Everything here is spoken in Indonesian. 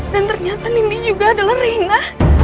dan ternyata nini juga adalah reina